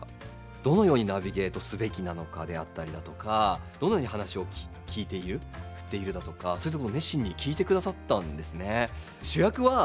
どのようにナビゲートすべきなのかであったりだとかどのように話を聞いている振っているだとかそういうところを熱心に聞いてくださったんですね。